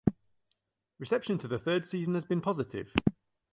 Reception to the third season has been positive.